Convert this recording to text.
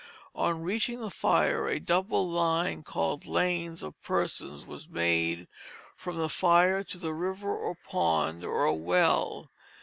On reaching the fire, a double line called lanes of persons was made from the fire to the river or pond, or a well.